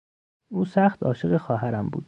او سخت عاشق خواهرم بود.